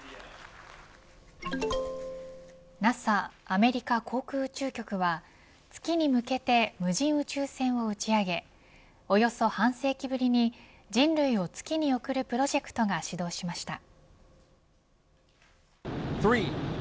アメリカ航空宇宙局は月に向けて無人宇宙船を打ち上げおよそ半世紀ぶりに人類を月に送るプロジェクトが始動しました。